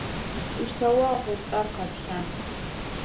Сишъэогъу ыцӏэр Къэплъан.